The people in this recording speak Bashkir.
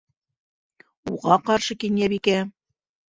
Уға ҡаршы Кинйәбикә: